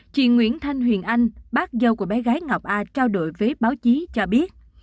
chị nguyễn thanh huyền anh bác dâu của bé gái ngọc a trao đổi với báo chí cho biết